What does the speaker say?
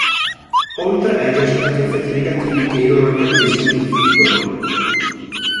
Oltre ai già citati effetti negativi che i loro incantesimi infliggono.